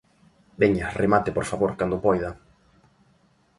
Veña, remate, por favor, cando poida.